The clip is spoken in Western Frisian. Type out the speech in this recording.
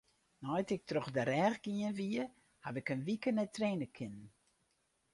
Nei't ik troch de rêch gien wie, haw ik in wike net traine kinnen.